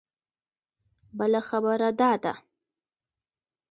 بله خبره دا ده.